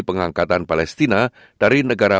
pengangkatan palestina dari negara